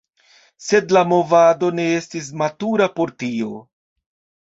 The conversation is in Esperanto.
Sed la movado ne estis matura por tio.